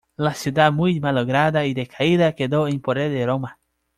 La ciudad, muy malograda y decaída, quedó en poder de Roma.